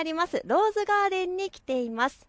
ローズガーデンに来ています。